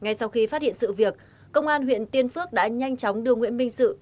ngay sau khi phát hiện sự việc công an huyện tiên phước đã nhanh chóng đưa nguyễn minh sự